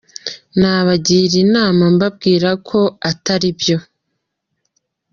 Nabagira inama mbabwira ko atari byo.